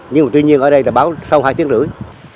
nhưng mà tuy nhiên ở đây là báo sau hai tiếng rưỡi